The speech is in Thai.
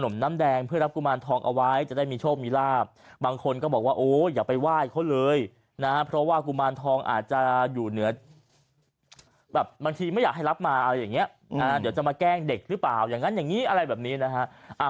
บางทีไม่อยากให้รับมาอะไรอย่างนี้เดี๋ยวจะมาแกล้งเด็กหรือเปล่าอย่างนั้นอย่างนี้อะไรแบบนี้นะฮะ